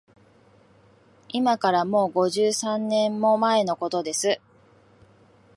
いまから、もう五十三年も前のことです